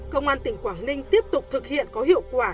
công an tỉnh quảng ninh tiếp tục thực hiện có hiệu quả